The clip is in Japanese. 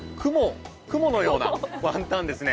雲のようなワンタンですね。